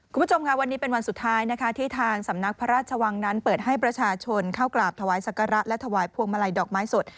คุณผู้ชมค่ะวันนี้เป็นวันสุดท้ายนะคะที่ทางสำนักพระราชวังนั้นเปิดให้ประชาชนเข้ากราบถวายศักระและถวายพวงมาลัยดอกไม้สด